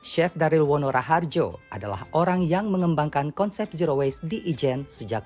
chef daryl wonora harjo adalah orang yang mengembangkan konsep zero waste di ijen sejak dua ribu tujuh belas